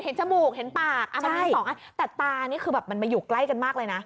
เห็นสมุกเห็นปากเป็น๒คนแต่ตารี่มันมาอยู่ใกล้กันมากเลยนะ